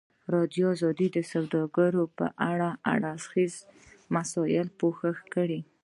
ازادي راډیو د سوداګري په اړه د هر اړخیزو مسایلو پوښښ کړی.